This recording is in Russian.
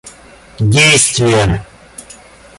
действия